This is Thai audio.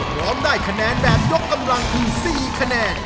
พร้อมได้คะแนนแบบยกกำลังคือ๔คะแนน